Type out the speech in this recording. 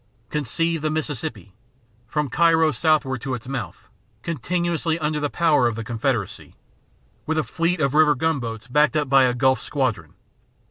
Conceive the Mississippi, from Cairo southward to its mouth, continuously under the power of the Confederacy, with a fleet of river gunboats backed up by a Gulf squadron.